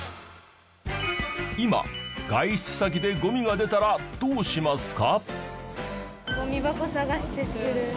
今外出先でゴミが出たらどうしますか？